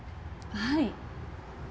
はい。